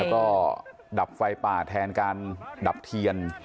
แล้วก็ดับไฟป่าแทนการดับเทียน